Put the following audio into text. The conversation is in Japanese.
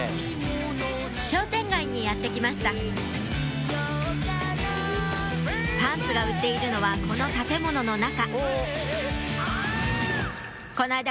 商店街にやって来ましたパンツが売っているのはこの建物の中この間